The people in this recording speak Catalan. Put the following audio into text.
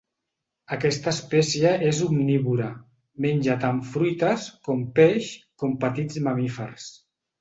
Aquesta espècie és omnívora: menja tant fruites, com peix, com petits mamífers.